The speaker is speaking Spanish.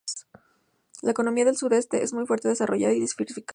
La economía del Sudeste es muy fuerte, desarrollada y diversificada.